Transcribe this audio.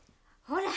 ほら。